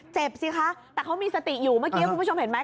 สิคะแต่เขามีสติอยู่เมื่อกี้คุณผู้ชมเห็นไหม